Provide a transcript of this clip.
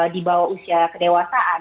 di bawah usia kedewasaan